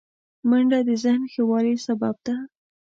منډه د ذهن ښه والي سبب ده